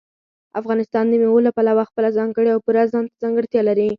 افغانستان د مېوو له پلوه خپله ځانګړې او پوره ځانته ځانګړتیا لري.